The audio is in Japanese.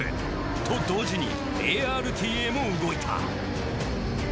と同時にＡＲＴＡも動いた。